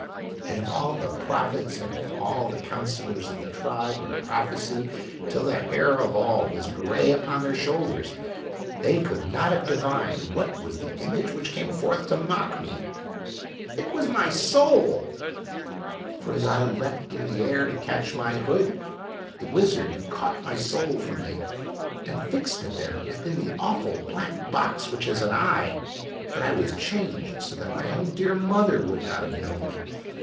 And if all the prophets and if all the counselors of the tribe were to prophesy till the hair of all was gray upon their shoulders, they could not have divined what was the image which came forth to mock me ! It was my soul. For as I leaped in the air to catch my hood, the wizard had caught my soul from me and fixed it there within the awful black box which has an eye ! But I was changed so that my own dear mother would not have known me.